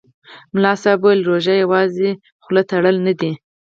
ملا صاحب ویل: روژه یوازې خوله تړل نه دي.